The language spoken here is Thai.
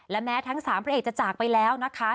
และแม้ทั้ง๓พระเอกจะจากไปแล้วนะคะ